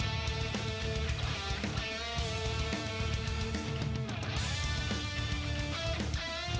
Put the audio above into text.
ขอโทษนะครับที่มีช่วงรายการ